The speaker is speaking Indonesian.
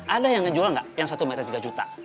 ada yang ngejual nggak yang satu meter tiga juta